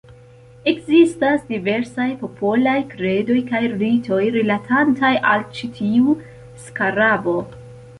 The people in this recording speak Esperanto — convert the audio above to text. Ekzistas diversaj popolaj kredoj kaj ritoj, rilatantaj al ĉi tiu skarabo.